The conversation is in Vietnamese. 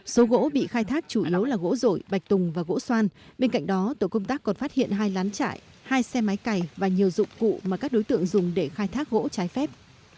số gỗ bị khai thác chủ yếu là gỗ rổi bạch tùng và gỗ xoan bên cạnh đó tổ công tác còn phát hiện hai lán chạy hai xe máy cày và nhiều dụng cụ mà các đối tượng dùng để khai thác gỗ trái phép